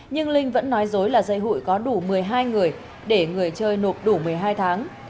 nhưng linh vẫn nói dối là dây hụi có đủ một mươi hai người để người chơi nộp đủ một mươi hai tháng